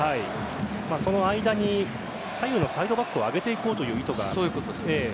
その間に左右のサイドバックを上げていこうという意図が。